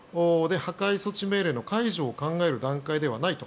破壊措置命令の解除を考える段階ではないと。